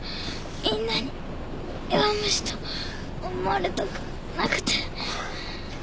みんなに弱虫と思われたくなくて。